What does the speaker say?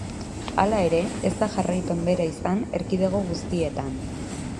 Hala ere, ez da jarraipen bera izan erkidego guztietan.